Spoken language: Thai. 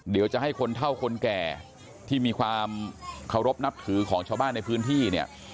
เดี๋ยวจะให้คนเท่าคนแก่ที่มีความเคารพนับถือของชาวบ้านในพื้นที่เนี่ย